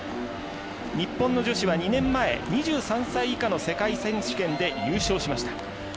日本の女子は２年前２３歳以下の世界選手権で優勝しました。